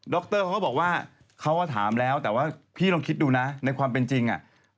รเขาก็บอกว่าเขาก็ถามแล้วแต่ว่าพี่ลองคิดดูนะในความเป็นจริง